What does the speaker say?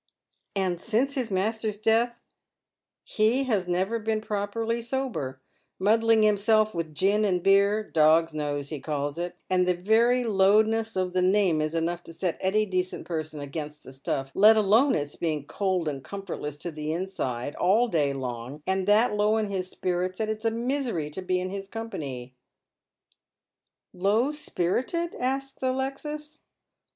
" And since his master's death "" He has never been properly sober, muddling himself with gin and beer — dog's nose, he calls it, and the very lowness of the name is enough to set any decent person against the stuff, let alone its being cold and comfortless to tlie inside, all day long, and that low in his spirits, that it's a misery to be in his company." " Low spirited '?" asks Alexis.